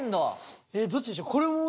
どっちにしよう？